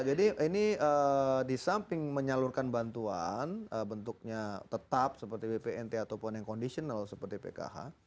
jadi ini di samping menyalurkan bantuan bentuknya tetap seperti bpnt ataupun yang conditional seperti pkh